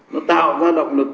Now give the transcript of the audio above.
nó tạo ra động lực